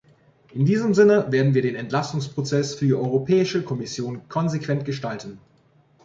In diesem Sinne werden wir den Entlastungsprozess für die Europäische Kommission konsequent gestalten.